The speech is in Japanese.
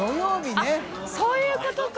あっそういうことか。